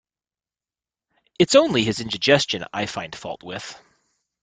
It's only his indigestion I find fault with.